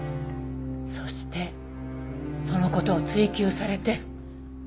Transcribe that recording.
そしてその事を追及されて。